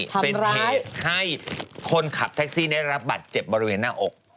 เป็นเหตุให้คนขับแท็กซี่ได้รับบัตรเจ็บบริเวณหน้าอก